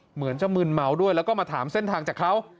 เหมือนจะมืนเมาด้วยแล้วก็มาถามเส้นทางจากเขา